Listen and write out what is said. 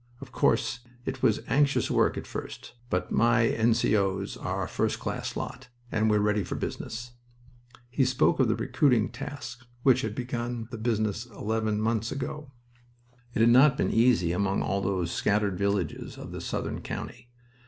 Of course, it was anxious work at first, but my N. C. O.'s are a first class lot, and we're ready for business." He spoke of the recruiting task which had begun the business eleven months ago. It had not been easy, among all those scattered villages of the southern county.